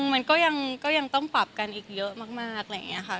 มันก็ยังต้องปรับกันอีกเยอะมากอะไรอย่างนี้ค่ะ